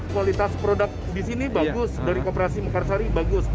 kualitas produk di sini bagus dari koperasi mekarsari bagus